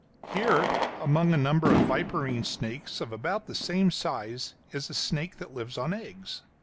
"] Here, among a number of viperine snakes of about the same size, is a snake that lives on eggs.